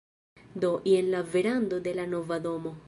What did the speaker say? Do, jen la verando de la nova domo